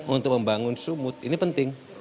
untuk membangun sumut ini penting